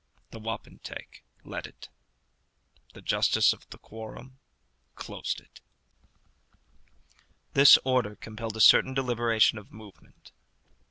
The wapentake led it. The justice of the quorum closed it. This order compelled a certain deliberation of movement.